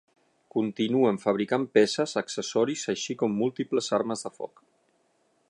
Continuen fabricant peces, accessoris, així com múltiples armes de foc.